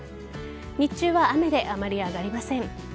日中は雨であまり上がりません。